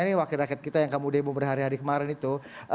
ini wakil rakyat kita yang kamu demo berhari hari kemarin itu